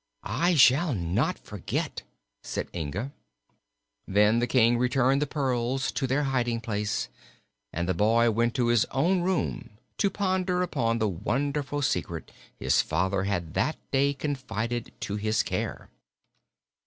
"I shall not forget," said Inga. Then the King returned the pearls to their hiding place and the boy went to his own room to ponder upon the wonderful secret his father had that day confided to his care.